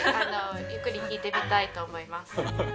ゆっくり聞いてみたいと思います。